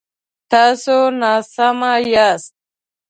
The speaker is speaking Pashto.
تاسو ناسم یاست